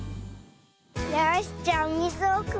よしじゃあおみずをくむよ。